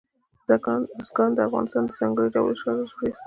بزګان د افغانستان د ځانګړي ډول جغرافیه استازیتوب کوي.